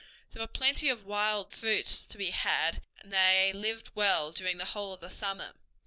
There were plenty of wild fruits to be had, and they lived well during the whole of the summer.